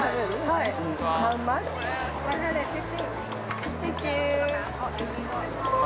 ◆はい。